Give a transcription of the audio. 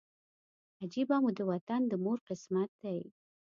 عجیبه مو د وطن د مور قسمت دی